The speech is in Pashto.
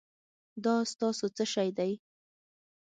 دا ستاسو څه شی دی؟